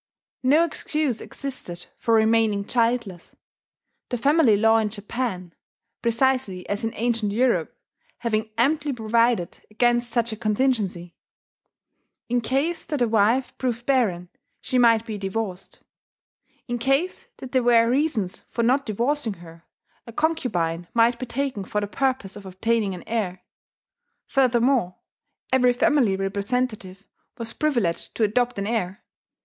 No excuse existed for remaining childless: the family law in Japan, precisely as in ancient Europe, having amply provided against such a contingency. In case that a wife proved barren, she might be divorced. In case that there were reasons for not divorcing her, a concubine might be taken for the purpose of obtaining an heir. Furthermore, every family representative was privileged to adopt an heir.